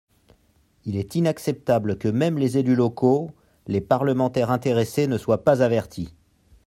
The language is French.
Il est inacceptable que même les élus locaux, les parlementaires intéressés ne soient pas avertis.